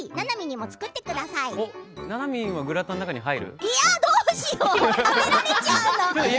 ななみもグラタンの中に入る？